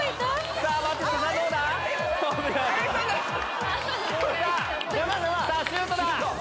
さあ、シュートだ。